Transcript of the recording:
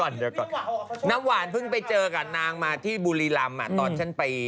น้ำหวานเพิ่งมาเจอกับนางมาที่บูรีรำตอนฉันไป